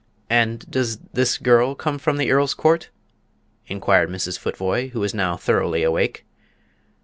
"And does this girl come from Earl's Court?" inquired Mrs. Futvoye, who was now thoroughly awake.